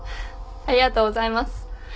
ありがとうございます。